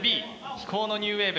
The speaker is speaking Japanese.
「飛行のニューウェーブ」。